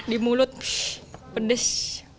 di mulut pshhh pedes